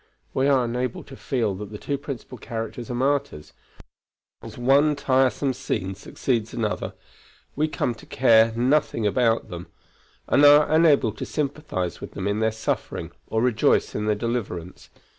We are unable to feel that the two principal characters are martyrs; as one tiresome scene succeeds another, we come to care nothing whatever about them and are unable to sympathize with them in their suffering or rejoice in their deliverance.